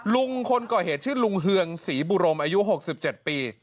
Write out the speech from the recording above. ลุงคนก่อเหตุชื่อลุงเฮืองศรีบุรมอายุ๖๗ปี